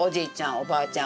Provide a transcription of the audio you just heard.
おばあちゃん